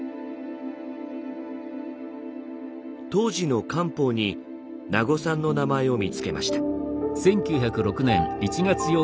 当時の「官報」に名護さんの名前を見つけました。